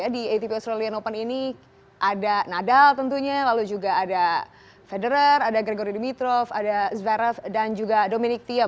di atp australian open ini ada nadal tentunya lalu juga ada federer ada gregory demitrov ada zerov dan juga dominic team